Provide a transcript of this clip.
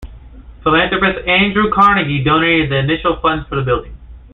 Philanthropist Andrew Carnegie donated the initial funds for the building.